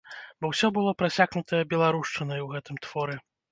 Бо ўсё было прасякнутае беларушчынай у гэтым творы.